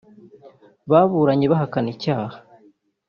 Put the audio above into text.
baburanye bahakana icyaha